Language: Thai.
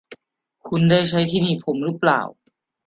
คุณได้ใช้ที่หนีบผมหรือเปล่า ?